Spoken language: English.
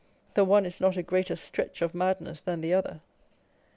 The one is not a greater stretch of madness than the other.